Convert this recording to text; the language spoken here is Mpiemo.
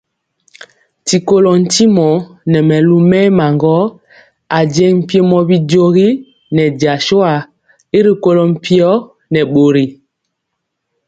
Ti kolɔ ntimɔ nɛ mɛlu mɛɛma gɔ ajeŋg mpiemɔ bijogi nɛ jasua y rikolɔ mpio nɛ bori.